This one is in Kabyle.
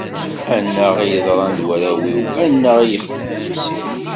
Annaɣ i yeḍran d warraw-iw, annaɣ i yexdem ufus-iw.